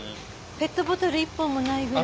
ペットボトル１本もないぐらい？